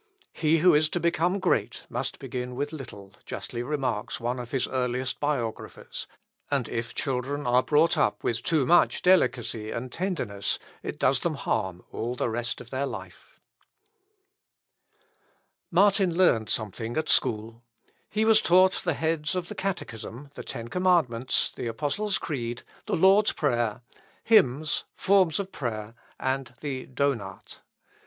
"He who is to become great must begin with little," justly remarks one of his earliest biographers; "and if children are brought up with too much delicacy and tenderness, it does them harm all the rest of their life." "Was gross sol werden, muss klein angeben." (Mathesius, Hist. p. 3.) Martin learned something at school. He was taught the heads of the Catechism, the Ten Commandments, the Apostles' Creed, the Lord's Prayer, hymns, forms of prayer, and the Donat.